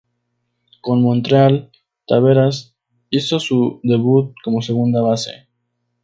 Con "Montreal", "Taveras" hizo su debut como segunda base.